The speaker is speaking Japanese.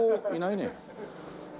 いないね。